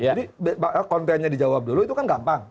jadi kontennya dijawab dulu itu kan gampang